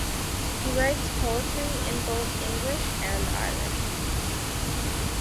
He writes poetry in both English and Irish.